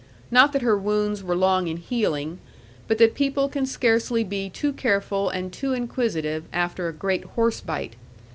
Not that her wounds were long in healing, but that people can scarcely be too careful and too inquisitive, after a great horse bite.